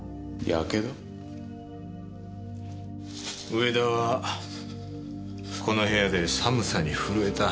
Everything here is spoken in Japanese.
上田はこの部屋で寒さに震えた。